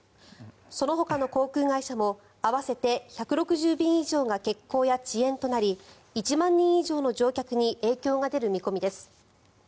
そのほかの航空会社も合わせて１６０便以上が欠航や遅延となり１万人以上の乗客に影響が出る見込みです。